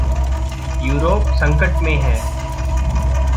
Europe संकट में है।